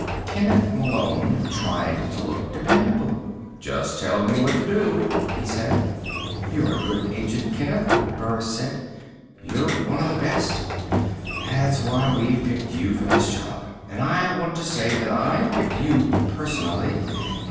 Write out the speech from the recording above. Kenneth Malone tried to look dependable. "Just tell me what to do," he said. "You're a good agent, Kenneth," Burris said. "You're one of the best. That's why you've been picked for this job. And I want to say that I picked you personally.